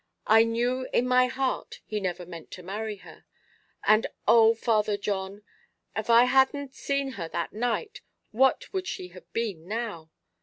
I knew in my heart he never meant to marry her. And oh! Father John, av I hadn't seen her that night, what would she have been now?